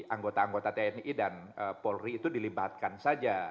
anggota anggota tni dan polri itu dilibatkan saja